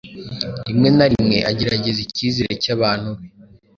Rimwe na rimwe agerageza icyizere cy’abantu be